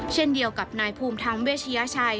เช่นเดียวกับนายภูมิธรรมเวชยชัย